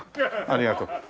ありがとう。